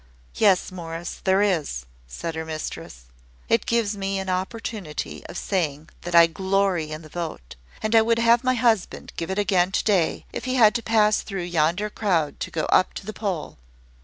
"Yes, Morris, there is," said her mistress; "it gives me an opportunity of saying that I glory in the vote; and I would have my husband give it again to day, if he had to pass through yonder crowd to go up to the poll."